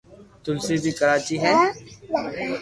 تلسي بي ڪراچي ھي